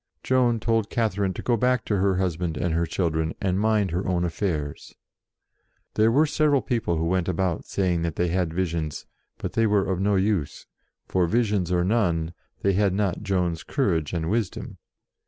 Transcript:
Joan told Catherine to go back to her husband and her children, and mind her own affairs. There were several people who went about saying that they had visions ; but they were of no use, for, visions or none, they had not Joan's courage and wisdom.